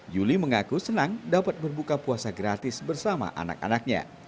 yuli mengaku senang dapat berbuka puasa gratis bersama anak anaknya